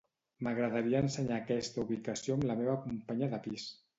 M'agradaria ensenyar aquesta ubicació amb la meva companya de pis.